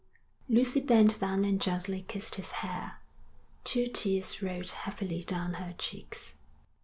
Lucy bent down and gently kissed his hair. Two tears rolled heavily down her cheeks.